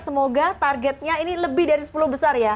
semoga targetnya ini lebih dari sepuluh besar ya